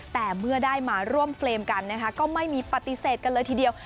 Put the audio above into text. แต่เมื่อได้มาร่วมเฟรมกันนะคะก็ไม่มีปฏิเสธกันเลยทีเดียว